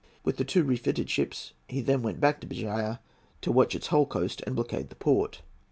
With the two refitted ships he then went back to Bahia, to watch its whole coast and blockade the port.